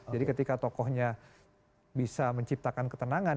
jadi ketika tokohnya bisa menciptakan ketenangan